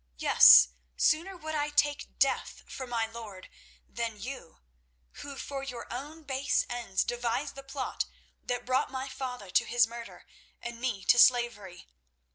Yes, sooner would I take death for my lord than you, who for your own base ends devised the plot that brought my father to his murder and me to slavery.